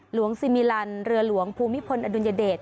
หลวงสิมีรันหลวงภูมิพลอดุญเดช